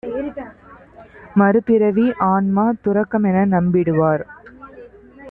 மறுபிறவி, ஆன்மா, துறக்கமென நம்பிடுவார்